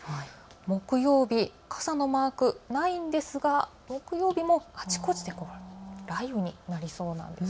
木曜日、傘のマーク、ないんですが木曜日もあちこちで雷雨になりそうなんです。